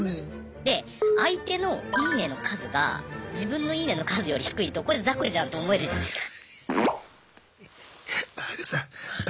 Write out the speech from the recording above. で相手の「いいね」の数が自分の「いいね」の数より低いとこいつ雑魚じゃんって思えるじゃないすか。